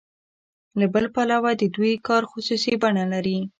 له بل پلوه د دوی کار خصوصي بڼه لري